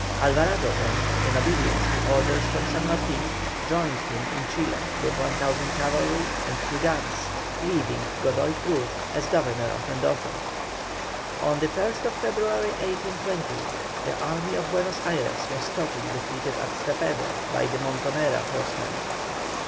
Alvarado then, in obedience to orders from San Martin, joined him in Chile with 1,000 cavalry and two guns, leaving Godoy Cruz as Governor of Mendoza. On the 1st February, 1820, the Army of Buenos Ayres was totally defeated at Cepeda by the Montonera horsemen.